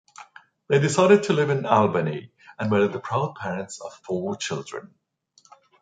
They decided to live in Albany and were the proud parents of four children.